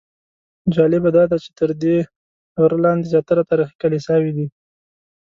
جالبه داده چې تر دې غره لاندې زیاتره تاریخي کلیساوې دي.